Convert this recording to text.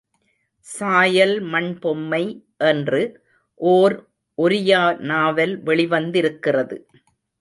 சாயல் மண்பொம்மை என்று ஓர் ஒரியா நாவல் வெளிவந்திருக்கிறது.